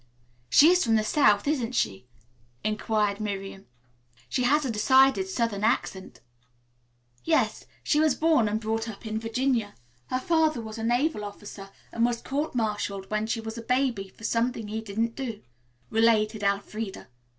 "She is from the South, isn't she?" inquired Miriam. "She has a decided southern accent." "Yes, she was born and brought up in Virginia. Her father was a naval officer and was court martialed when she was a baby for something he didn't do," related Elfreda.